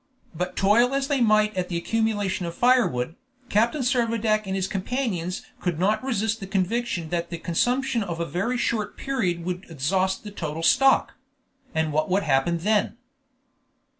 But toil as they might at the accumulation of firewood, Captain Servadac and his companions could not resist the conviction that the consumption of a very short period would exhaust the total stock. And what would happen then?